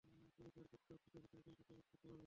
তুমি তার প্রজ্ঞার ছিটেফোঁটা এখান থেকেই আঁচ করতে পারবে।